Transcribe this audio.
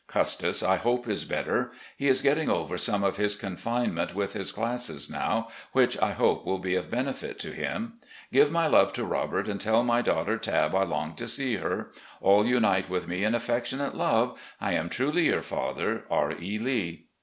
Custis, I hope, is better. He is getting over some of his confinement with his classes now, which I hope will be of benefit to him. Give my love to Robert and tell my daughter Tabb I long to see her. All unite with me in affectionate love. I am, "Truly your father, "R. E. Lee."